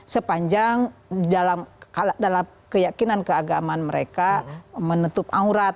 sepanjang dalam keyakinan keagamaan mereka menutup aurat